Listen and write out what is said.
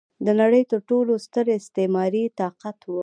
د نړۍ تر ټولو ستر استعماري طاقت و.